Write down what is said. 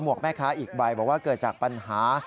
วกแม่ค้าอีกใบบอกว่าเกิดจากปัญหา